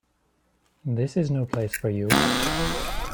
This is no place for you.